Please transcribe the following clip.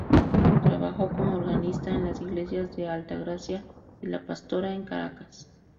Trabajó como organista en las Iglesias de Altagracia y La Pastora en Caracas.